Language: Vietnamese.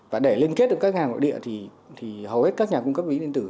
và để liên kết được các hàng nội địa thì hầu hết các nhà cung cấp ví điện tử